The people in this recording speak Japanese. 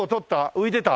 浮いてた？